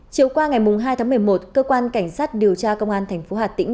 chiều qua ngày hai tháng một mươi một cơ quan cảnh sát điều tra công an thành phố hà tĩnh